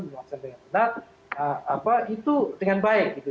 dilaksanakan dengan benar itu dengan baik gitu